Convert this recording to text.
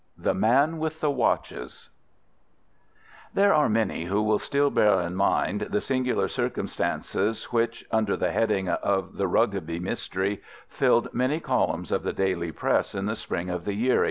THE MAN WITH THE WATCHES There are many who will still bear in mind the singular circumstances which, under the heading of the Rugby Mystery, filled many columns of the daily Press in the spring of the year 1892.